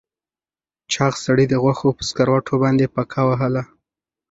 چاغ سړي د غوښو په سکروټو باندې پکه وهله.